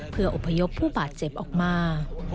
เพื่ออพยพผู้บาดเจ็บออกมา